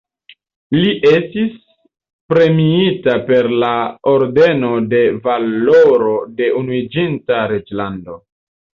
Li estis premiita per la Ordeno de Valoro de Unuiĝinta Reĝlando.